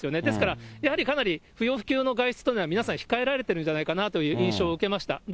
ですから、やはり不要不急の外出というのは皆さん、控えられてるんじゃないかなという印象を受けました。